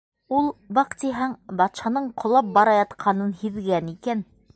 Ул, баҡтиһәң, батшаның ҡолап бара ятҡанын һиҙгән икән.